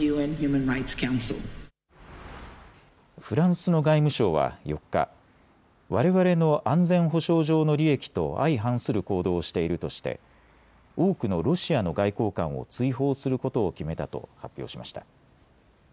フランスの外務省は４日、われわれの安全保障上の利益と相反する行動をしているとして多くのロシアの外交官を追放することを決めたと発表しました。